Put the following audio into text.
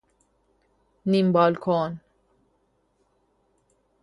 نیم بالکن